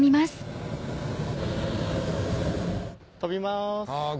飛びます。